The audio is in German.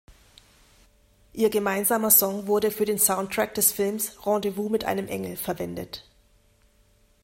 Ihr gemeinsamer Song wurde für den Soundtrack des Films "Rendezvous mit einem Engel" verwendet.